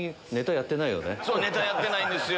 そうネタやってないんですよ